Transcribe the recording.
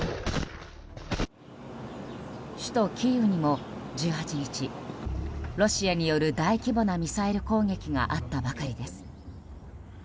首都キーウにも、１８日ロシアによる大規模なミサイル攻撃があったばかりです。